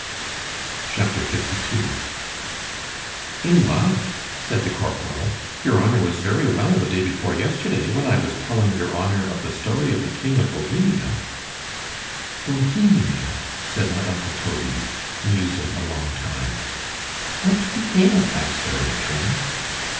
_ C H A P. LII IN love!——said the corporal—your honour was very well the day before yesterday, when I was telling your honour of the story of the King of Bohemia—Bohemia! said my uncle Toby musing a long time What became of that story, _Trim?